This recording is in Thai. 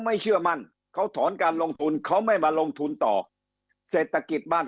เชื่อมั่นเขาถอนการลงทุนเขาไม่มาลงทุนต่อเศรษฐกิจบ้าน